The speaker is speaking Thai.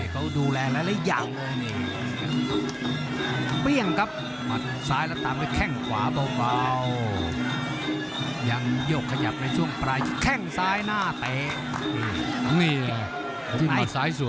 เขาดูแลหลายอย่างเลยนี่